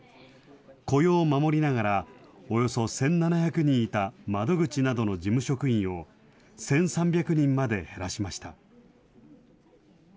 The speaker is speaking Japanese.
雇用を守りながら、およそ１７００人いた窓口などの事務職員を１３００人まで減らしました。